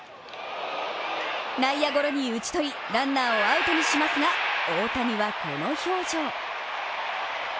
内野ゴロに打ち取り、ランナーをアウトにしますが、大谷はこの表情。